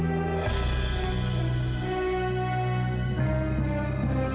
lepas jauh ya katia